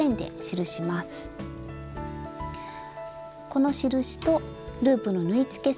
この印とループの縫い付け